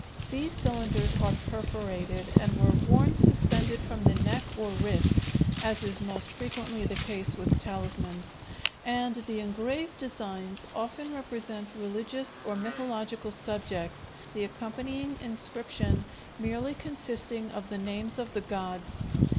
These cylinders are perforated and were worn suspended from the neck or wrist, as is most frequently the case with talismans, and the engraved designs often represent religious or mythological subjects, the accompanying inscription merely consisting of the names of the gods.